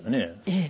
ええ。